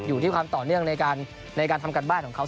อยู่ที่ความต่อเนื่องในการทำการบ้านของเขา